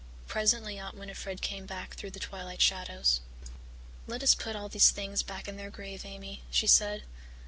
Presently Aunt Winnifred came back through the twilight shadows. "Let us put all these things back in their grave, Amy," she said.